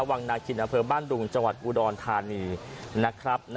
วังนาฬิกิณภิมศ์บ้านดุงจอุดรธานีนะครับ